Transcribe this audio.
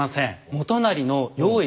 元就の用意